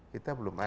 kita belum ada